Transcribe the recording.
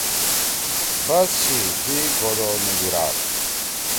”بس چھی! دُوئی گھودو نی بیِراڑ!